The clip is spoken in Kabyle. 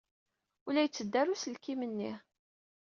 Ur la yetteddu ara uselkim-nni.